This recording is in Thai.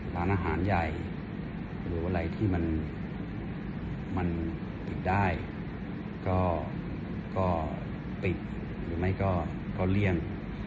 ร้านอาหารใหญ่หรืออะไรที่มันปิดได้ก็ปิดหรือไม่ก็เลี่ยง